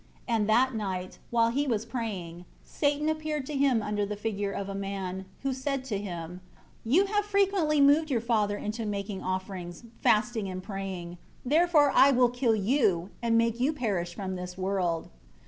7 And that night, while he was praying, Satan appeared to him under the figure of a man, who said to him, "You have frequently moved your father into making offerings, fasting and praying, therefore I will kill you, and make you perish from this world."